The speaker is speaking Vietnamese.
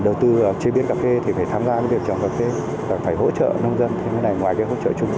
và phải hỗ trợ nông dân thêm cái này ngoài cái hỗ trợ chung của tỉnh